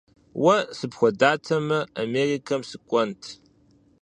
Уэ сыпхуэдатэмэ, Америкэм сыкӀуэнт.